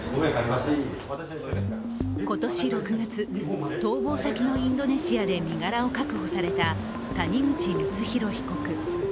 今年６月、逃亡先のインドネシアで身柄を確保された谷口光弘被告。